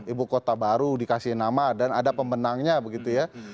ibu kota baru dikasih nama dan ada pemenangnya begitu ya